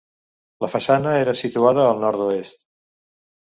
La façana era situada al nord-oest.